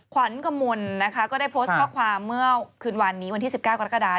ขวัญกมลนะคะก็ได้โพสต์ข้อความเมื่อคืนวันนี้วันที่๑๙กรกฎา